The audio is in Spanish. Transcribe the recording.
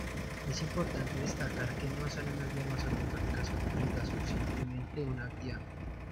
Es importante destacar que no son unas normas ortográficas completas; son simplemente una guía.